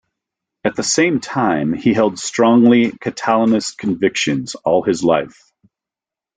At the same time, he held strongly Catalanist convictions all his life.